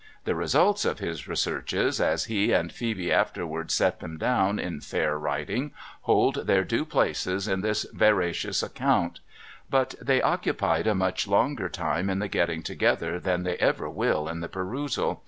The results of his researches, as he and Phoebe afterwards set them down in fair writing, hold their due places in this veracious chronicle. But they occupied a much longer time in the getting together than they ever will in the perusal.